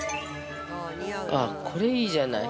◆これいいじゃない。